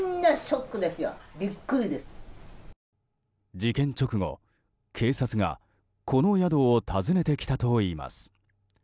事件直後、警察がこの宿を訪ねてきたといいます。